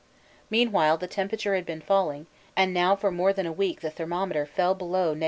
Meanwhile the temperature had been falling, and now for more than a week the thermometer fell below 60°.